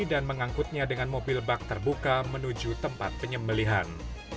dan mengangkutnya dengan mobil bak terbuka menuju tempat penyembelihan